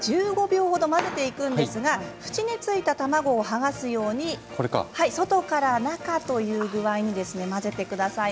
１５秒ほど混ぜていくんですが縁についた卵を剥がすように外から中という具合に混ぜてください。